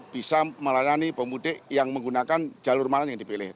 bisa melayani pemudik yang menggunakan jalur mana yang dipilih